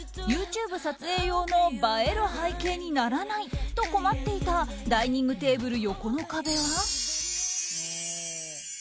ＹｏｕＴｕｂｅ撮影用の映える背景にならないと困っていたダイニングテーブル横の壁は。